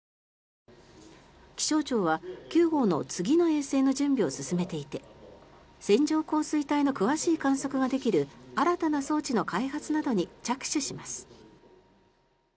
気象庁は９号の次の衛星の準備を進めていて線状降水帯の詳しい観測ができる新たな装置の開発などに着手します。